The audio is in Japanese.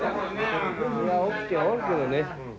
いや起きておるけどね。